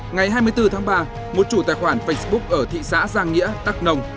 ngày hai mươi bốn tháng ba một chủ tài khoản facebook ở thị xã giang nghĩa đắc nông